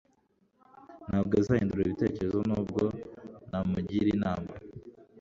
Ntabwo azahindura ibitekerezo nubwo namugira inama.